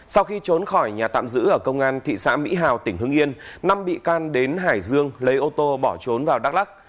sau khi trốn khỏi nhà tạm giữ ở công an thị xã mỹ hào tỉnh hưng yên năm bị can đến hải dương lấy ô tô bỏ trốn vào đắk lắc